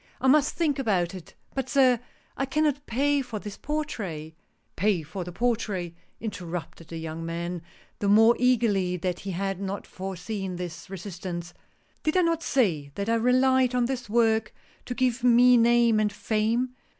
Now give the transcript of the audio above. "I must think about it — but, sir — I cannot pay for this portrait "" Pay for the portrait," interrupted the young man, the more eagerly that he had not foreseen this resist ance. " Did I not say that I relied on this work to give me name and fame